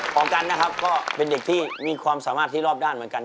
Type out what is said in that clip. กันนะครับก็เป็นเด็กที่มีความสามารถที่รอบด้านเหมือนกัน